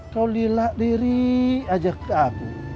kau lilak diri aja ke aku